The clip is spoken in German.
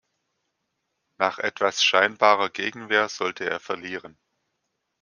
Nach etwas scheinbarer Gegenwehr sollte er verlieren.